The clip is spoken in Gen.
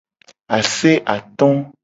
Ase ato.